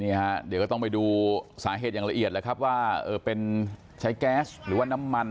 นี้ก็ต้องไปดูสาเหตุอย่างละเอียดรู้สึกว่าใช้แก๊สน้ำมัน